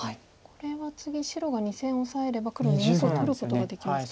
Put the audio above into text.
これは次白が２線オサえれば黒２目を取ることができます。